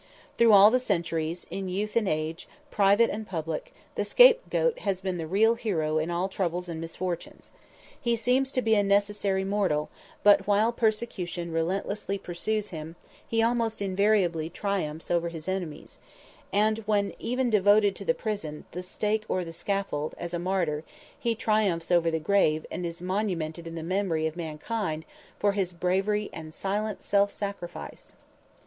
Through all the centuries, in youth and age, private and public, the scapegoat has been the real hero in all troubles and misfortunes. He seems to be a necessary mortal, but while persecution relentlessly pursues him, he almost invariably triumphs over his enemies, and when even devoted to the prison, the stake or the scaffold, as a martyr, he triumphs over the grave and is monumented in the memory of mankind for his bravery and silent self sacrifice!